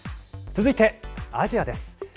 続いて、アジアです。